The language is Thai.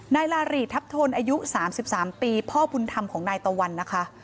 นายลารีทับทนอายุสามสิบสามปีพ่อพุนธรรมของนายตะวันนะคะ